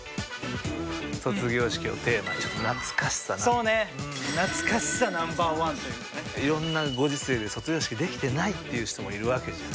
卒業式をテーマちょっと懐かしさそうね懐かしさＮｏ．１というね色んなご時世で卒業式できてないっていう人もいるわけじゃん